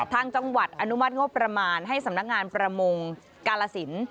ทางจังหวัดอนุมัติงบประมาณให้สำนักงานประมงกาลสิน